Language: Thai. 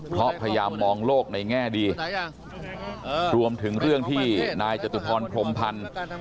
เพราะพยายามมองโลกในแง่ดีรวมถึงเรื่องที่นายจตุพรพรมพันธ์